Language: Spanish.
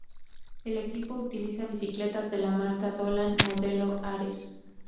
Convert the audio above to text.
El equipo utiliza bicicletas de la marca Dolan, modelo Ares.